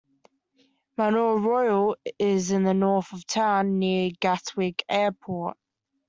Manor Royal is in the north of the town near to Gatwick airport.